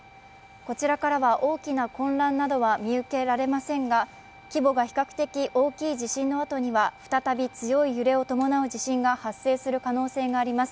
こちらからは大きな混乱などは見受けられませんが規模が比較的大きい地震のあとには再び強い揺れを伴う地震が発生するおそれがあります。